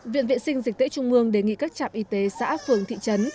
viện vệ sinh dịch tễ trung mương đề nghị các trạm y tế xã phường thị trấn